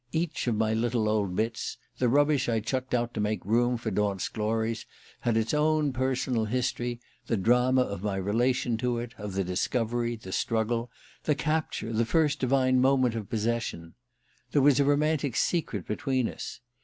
Each of my little old bits the rubbish I chucked out to make room for Daunt's glories had its own personal history, the drama of my relation to it, of the discovery, the struggle, the capture, the first divine moment of possession. There was a romantic secret between us.